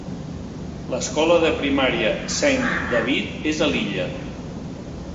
L'escola de primària Saint David és a l'illa.